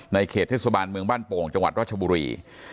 เขตเทศบาลเมืองบ้านโป่งจังหวัดรัชบุรี